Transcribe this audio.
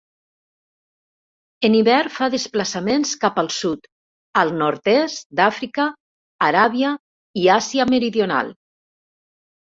En hivern fa desplaçaments cap al sud, al nord-est d'Àfrica, Aràbia i Àsia Meridional.